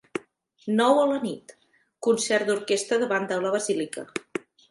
Nou a la nit: concert d'orquestra davant de la basílica.